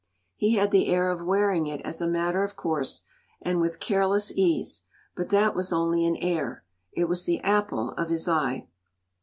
He had the air of wearing it as a matter of course and with careless ease, but that was only an air it was the apple of his eye.